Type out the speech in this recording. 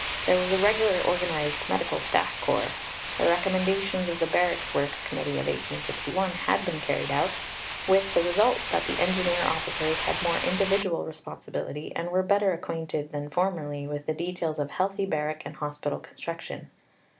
There was a regularly organized Medical Staff Corps. The recommendations of the Barracks Works Committee of 1861 had been carried out, with the result that the engineer officers had more individual responsibility, and were better acquainted than formerly with the details of healthy barrack and hospital construction.